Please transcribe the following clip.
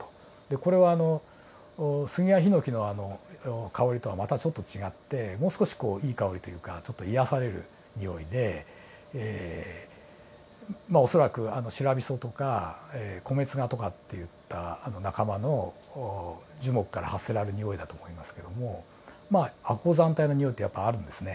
これはスギやヒノキの香りとはまたちょっと違ってもう少しこういい香りというかちょっと癒やされるにおいでまあ恐らくシラビソとかコメツガとかっていった仲間の樹木から発せられるにおいだと思いますけどもまあ亜高山帯のにおいってやっぱあるんですね。